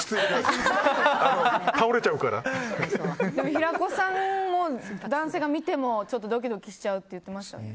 平子さんも男性が見てもドキドキしちゃうって言ってましたよね。